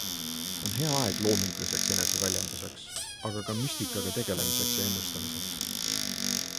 On hea aeg loominguliseks eneseväljenduseks, aga ka müstikaga tegelemiseks ja ennustamiseks.